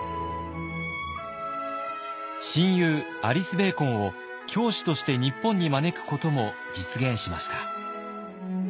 親友アリス・ベーコンを教師として日本に招くことも実現しました。